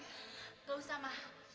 tidak usah ma